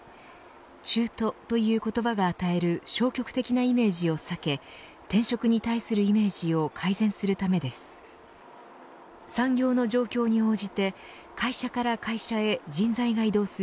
中途、という言葉が与える消極的なイメージを避け転職に対するイメージを改善するためです。